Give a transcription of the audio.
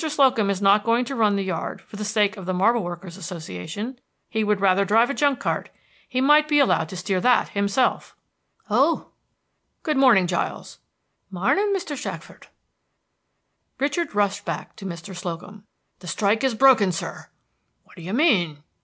Slocum is not going to run the yard for the sake of the Marble Workers' Association. He would rather drive a junk cart. He might be allowed to steer that himself. Giles. Oh! Richard. Good morning, Giles. Gikles. 'Mornin', Mr. Shackford. Richard rushed back to Mr. Slocum. "The strike is broken, sir!" "What do you mean?"